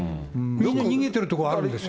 みんな逃げてるところはあるんですよ。